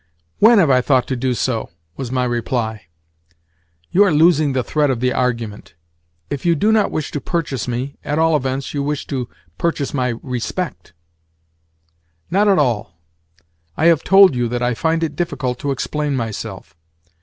"When have I thought to do so?" was my reply. "You are losing the thread of the argument. If you do not wish to purchase me, at all events you wish to purchase my respect." "Not at all. I have told you that I find it difficult to explain myself.